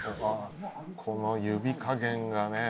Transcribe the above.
この指加減がね